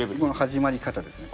始まり方ですね。